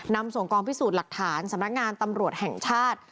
นำส่งกองพิสูจน์หลักฐานสำนักงานตำรวจแห่งชาติ